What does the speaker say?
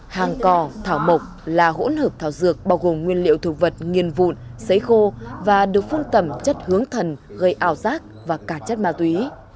hàng cò thảo mộc là hỗn hợp thảo dược bao gồm nguyên liệu thực vật nghiền vụn xấy khô và được phun tẩm chất hướng thần gây ảo giác và cả chất ma túy